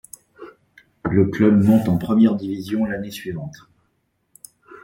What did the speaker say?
Le club monte en première division l'année suivante.